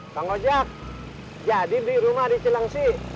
bang kojek jadi beli rumah di cilangsi